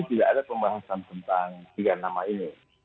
tidak ada pembahasan tentang tiga nama ini